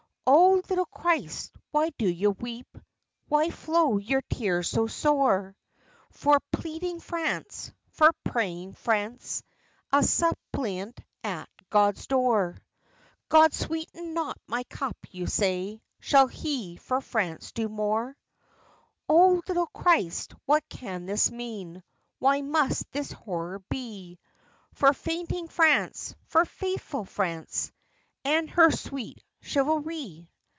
Oh little Christ, why do you weep, Why flow your tears so sore For pleading France, for praying France, A suppliant at God's door? "God sweetened not my cup," you say, "Shall He for France do more?" Oh little Christ, what can this mean, Why must this horror be For fainting France, for faithful France, And her sweet chivalry?